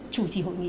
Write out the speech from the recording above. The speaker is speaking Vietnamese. chủ trì hội nghị